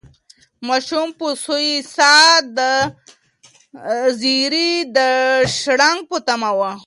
ماشوم په سوې ساه د زېري د شرنګ په تمه و.